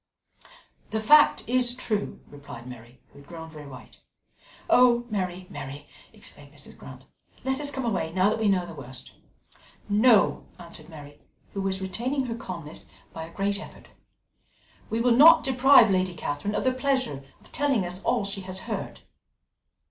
"The fact is true," replied Mary, who had grown very white. "Oh, Mary, Mary!" exclaimed Mrs. Grant, "let us come away now that we know the worst." "No," answered Mary, who was retaining her calmness by a great effort, "we will not deprive Lady Catherine of the pleasure of telling all she has heard."